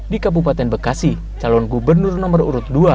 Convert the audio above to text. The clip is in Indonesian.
di kabupaten bekasi calon gubernur nomor urut dua